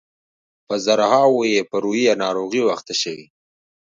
په زرهاوو یې په روحي ناروغیو اخته شوي.